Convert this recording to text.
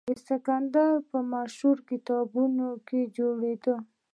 د سکندریه په مشهور کتابتون کې جوړېده.